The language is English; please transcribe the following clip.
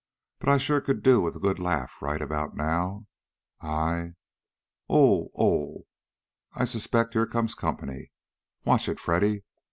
"But I sure could do with a good laugh, right about now. I Oh oh! I suspect here comes company. Watch it, Freddy.